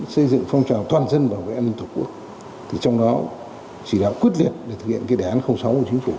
xây dựng phong trào toàn dân bảo vệ an ninh tộc quốc thì trong đó chỉ đạo quyết liệt để thực hiện cái đề án sáu của chính phủ